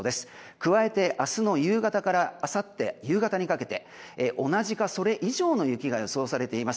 加えて明日の夕方からあさって夕方にかけて同じかそれ以上の雪が予想されています。